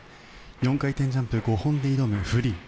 ４回転ジャンプ５本で挑むフリー。